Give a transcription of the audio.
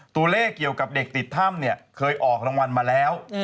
ตัวเลขเกี่ยวกับเด็กติดถ้ำเนี่ยเคยออกรางวัลมาแล้ว